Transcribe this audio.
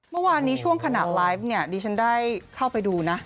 เมื่อวานนี้ช่วงขณะไลฟ์ดีฉันได้เข้าไปดูนะ